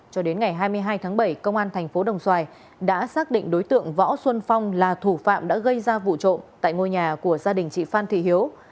cho đến ngày hai mươi hai tháng bảy công an thành phố đồng xoài đã xác định đối tượng võ xuân phong là thủ phạm đã gây ra vụ trộm tại ngôi nhà của gia đình chị phan thị hiếu